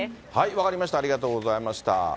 分かりました、ありがとうございました。